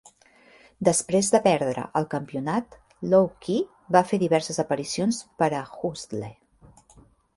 Després de perdre el campionat, Low Ki va fer diverses aparicions per a Hustle.